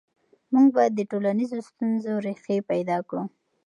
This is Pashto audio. موږ باید د ټولنیزو ستونزو ریښې پیدا کړو.